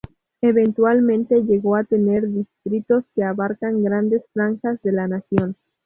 Eventualmente llegó a tener distritos que abarcan grandes franjas de la nación.